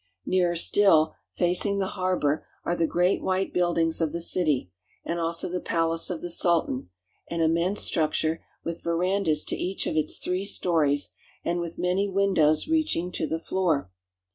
Nearer still, facing the harbor, are the great white buildings of the city, and also the palace of the Sultan, an immense struc ture, with verandas to each of its three sto ries and with many windows reaching to the floor.